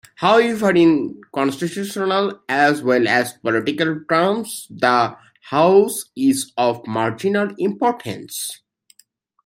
However, in constitutional as well as political terms, the House is of marginal importance.